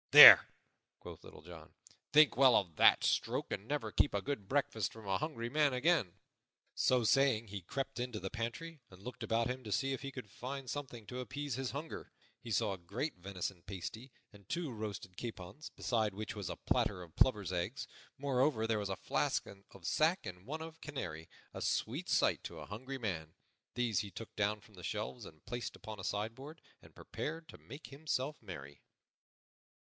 "There," quoth Little John, "think well of that stroke and never keep a good breakfast from a hungry man again." So saying, he crept into the pantry and looked about him to see if he could find something to appease his hunger. He saw a great venison pasty and two roasted capons, beside which was a platter of plover's eggs; moreover, there was a flask of sack and one of canary a sweet sight to a hungry man. These he took down from the shelves and placed upon a sideboard, and prepared to make himself merry.